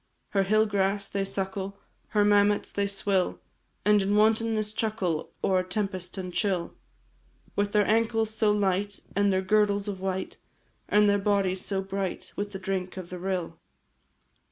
Her hill grass they suckle, Her mammets they swill, And in wantonness chuckle O'er tempest and chill; With their ankles so light, And their girdles of white, And their bodies so bright With the drink of the rill.